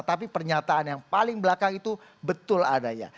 tapi pernyataan yang paling belakang itu betul adanya